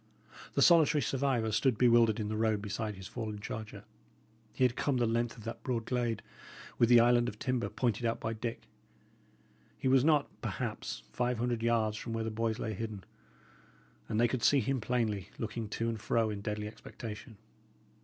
The solitary survivor stood bewildered in the road beside his fallen charger. He had come the length of that broad glade, with the island of timber, pointed out by Dick. He was not, perhaps, five hundred yards from where the boys lay hidden; and they could see him plainly, looking to and fro in deadly expectation.